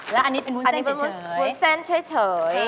แล้วอันนี้เป็นมุ้นเส้นเฉยค่ะอันนี้เป็นมุ้นเส้นเฉย